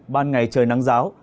ban ngày trời nắng giáo